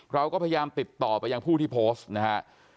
เราก็พยายามติดต่อไปยังผู้ที่โพสต์นะฮะ